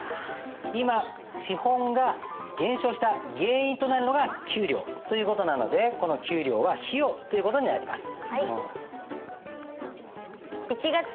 今資本が減少した原因となるのが給料。という事なのでこの給料は費用という事になります。